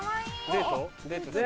・デート？